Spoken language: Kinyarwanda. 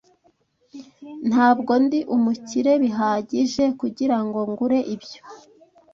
Ntabwo ndi umukire bihagije kugirango ngure ibyo.